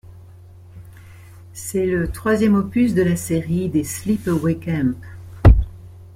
C'est le troisième opus de la série des Sleepaway Camp.